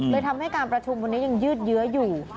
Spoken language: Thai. ทำให้การประชุมวันนี้ยังยืดเยื้ออยู่